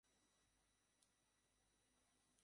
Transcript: সত্যিই যায়গাটা ফাঁকা করে দিল।